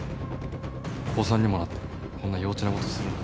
高３にもなってこんな幼稚な事するな。